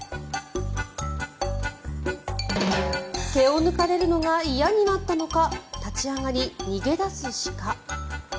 毛を抜かれるのが嫌になったのか立ち上がり、逃げ出す鹿。